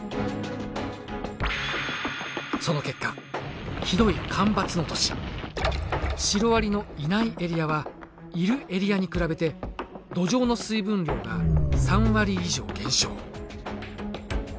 その結果ひどい干ばつの年シロアリのいないエリアはいるエリアに比べて土壌の水分量が３割以上減少。